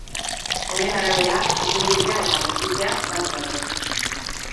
Honen arabera, jakinduria eta bertutea bat datoz.